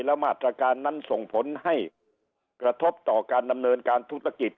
แล้วมาตรการนั้นส่งผลให้กระทบต่อการดำเนินการธุรกิจ